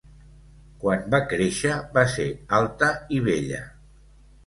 Quan va créixer va ser alta i bella.